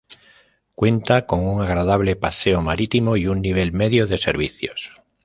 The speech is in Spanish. Cuenta con un agradable paseo marítimo y un nivel medio de servicios.